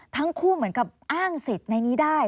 ทั้งคู่เหมือนกับอ้างเสร็จในนี้ได้